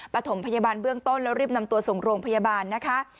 ประถมพยาบาลเบื้องต้นแล้วรีบนำตัวส่งโรงพยาบาลนะคะ